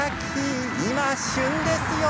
今、旬ですよ。